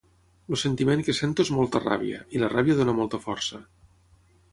El sentiment que sento és molta ràbia, i la ràbia dóna molta força.